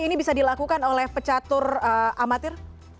ini bisa dilakukan oleh pecatur amatir